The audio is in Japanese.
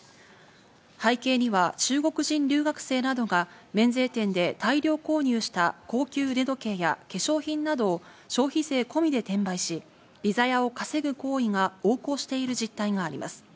背景には中国人留学生などが免税店で大量購入した高級腕時計や化粧品などを消費税込みで転売し、利ざやを稼ぐ行為が横行している実態があります。